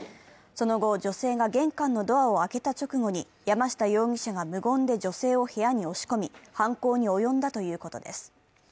その後、女性が玄関のドアを開けた直後に山下容疑者が無言で女性を部屋に押し込み犯行に及んだということです。